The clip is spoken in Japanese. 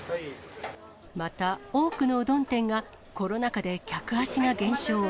また、多くのうどん店がコロナ禍で客足が減少。